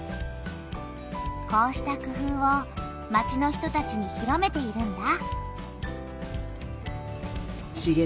こうした工夫を町の人たちに広めているんだ。